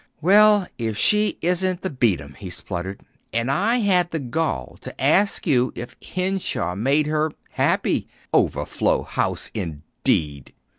"Well, if she isn't the beat 'em!" he spluttered. "And I had the gall to ask you if Henshaw made her happy! Overflow house, indeed!"